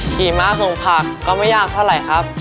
ขี่ม้าส่งผักก็ไม่ยากเท่าไหร่ครับ